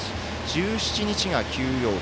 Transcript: １７日が休養日。